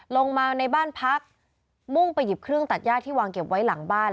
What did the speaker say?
ลงมาในบ้านพักมุ่งไปหยิบเครื่องตัดย่าที่วางเก็บไว้หลังบ้าน